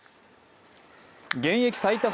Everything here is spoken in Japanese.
現役最多